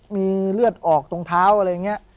มีเลือดออกตรงเท้าอะไรอย่างนี้